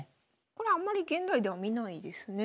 これあんまり現代では見ないですね。